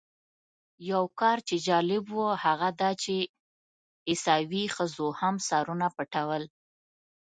یو کار چې جالب و هغه دا چې عیسوي ښځو هم سرونه پټول.